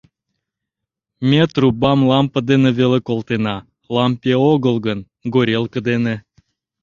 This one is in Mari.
— Ме трубам лампе дене веле колтена... лампе огыл гын, горелке дене...